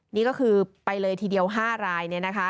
นี่ก็คือไปเลยทีเดียว๕รายเนี่ยนะคะ